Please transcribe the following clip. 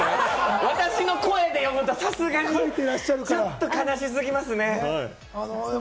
私の声で読むとさすがに、ちょっと悲しすぎますね。